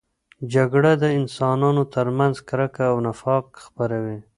جګړه د انسانانو ترمنځ کرکه او نفاق خپروي.